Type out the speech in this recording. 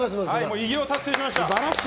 偉業を達成しました。